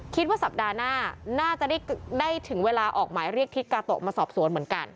คิดว่าสัปดาห์หน้าน่าจะได้ถึงเวลาออกหมายเรียกทิศกาโตะมาสอบสวนเหมือนกัน